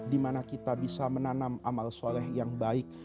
dimana kita bisa menanam amal soleh yang baik